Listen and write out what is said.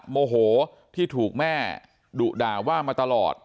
โมโหที่ถูกแม่ดุด่าว่ามาตลอด